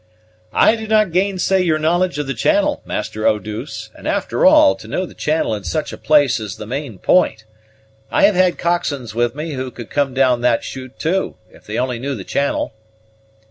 "I do not gainsay your knowledge of the channel, Master Eau douce, and, after all, to know the channel in such a place is the main point. I have had cockswains with me who could come down that shoot too, if they only knew the channel."